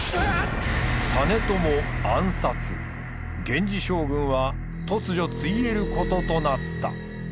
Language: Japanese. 源氏将軍は突如ついえることとなった。